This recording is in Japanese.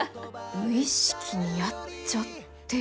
無意識にやっちゃってる？